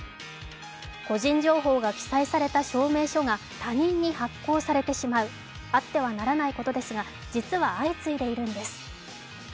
個人情報が記載された証明書が他人に発行されてしまう、あってはならないことですが実は相次いでいるんです。